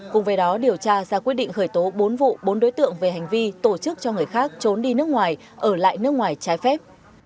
cùng với đó điều tra ra quyết định khởi tố bốn vụ bốn đối tượng về hành vi tổ chức cho người khác trốn đi nước ngoài ở lại nước ngoài trái phép